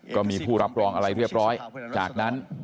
ก็มีผู้รับรองอะไรเรียบร้อยจากนั้น